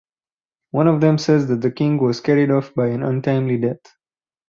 One of them says that the king was carried off by an untimely death.